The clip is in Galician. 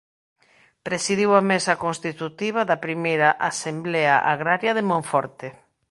Presidiu a mesa constitutiva da I Asemblea Agraria de Monforte.